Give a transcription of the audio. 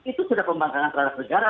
itu sudah pembangkangan terhadap negara